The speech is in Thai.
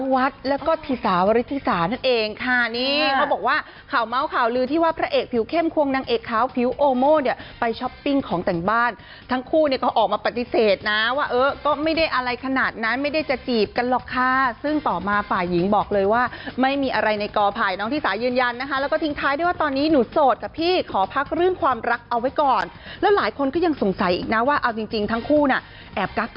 วัดแล้วก็พี่สาวริธิสาทั้งเองค่ะนี่เขาบอกว่าข่าวเม้าข่าวลื้อที่ว่าพระเอกผิวเข้มควงนางเอกขาวผิวโอโม่เนี่ยไปช็อปปิ้งของแต่งบ้านทั้งคู่เนี่ยก็ออกมาปฏิเสธนะว่าเออก็ไม่ได้อะไรขนาดนั้นไม่ได้จะจีบกันหรอกค่ะซึ่งต่อมาฝ่ายหญิงบอกเลยว่าไม่มีอะไรในกอภัยน้องที่สายืนยันนะคะแล้วก็ทิ้งท้าย